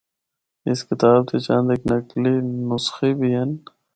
اس کتاب دے چند اک نقلی نسخے بھی ہن۔